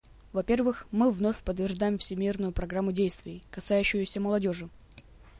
Во-первых, мы вновь подтверждаем Всемирную программу действий, касающуюся молодежи.